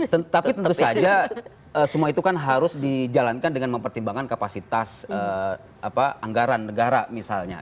tetapi tentu saja semua itu kan harus dijalankan dengan mempertimbangkan kapasitas anggaran negara misalnya